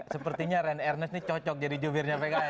sepertinya ren ernest ini cocok jadi jubirnya pks